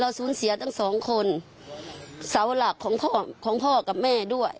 เราแปลงสุนเสียสองคนเศร้าหลักของพ่อกับแม่ด้วย